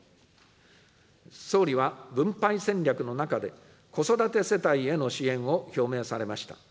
総理は分配戦略の中で、子育て世帯への支援を表明されました。